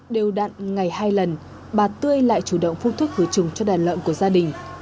điều đặn ngày hai lần bà tươi lại chủ động phu thức hứa chung cho đàn lợn của gia đình